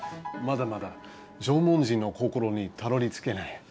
まだまだ縄文人の心にたどりつけない。